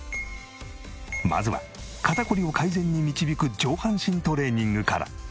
まずは肩こりを改善に導く上半身トレーニングから。